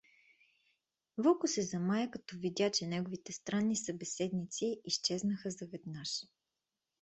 Вълко се замая, като видя, че неговите странни събеседници изчезнаха заведнаж.